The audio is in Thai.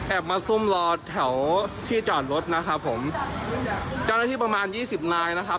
มาซุ่มรอแถวที่จอดรถนะครับผมเจ้าหน้าที่ประมาณยี่สิบนายนะครับ